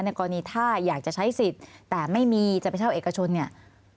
กรณีถ้าอยากจะใช้สิทธิ์แต่ไม่มีจะไปเช่าเอกชนเนี่ย